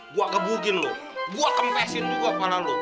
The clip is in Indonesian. gue gebugin lo gue kempesin juga kepala lo